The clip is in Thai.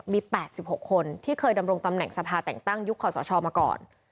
มี๘๖คนที่เคยดำรงตำแหน่งสภาแต่งตั้งยุคขอสชมาก่อน